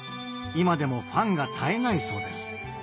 今でもファンが絶えないそうです